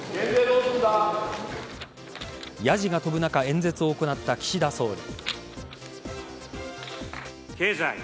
ヤジが飛ぶ中演説を行った岸田総理。